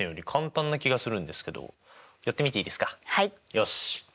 よし！